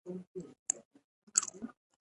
نېغ پۀ نېغه پۀ ذهني صحت وي